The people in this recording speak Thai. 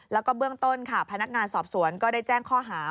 แล้วก็เบื้องต้นค่ะพนักงานสอบสวนก็ได้แจ้งข้อหา